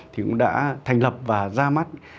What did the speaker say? thì cũng đã thành lập và ra mắt